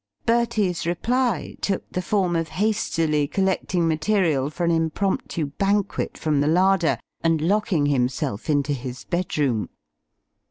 Bertie's reply took the form of hastily collecting material for an impromptu banquet from the larder and locking himself into his bedroom.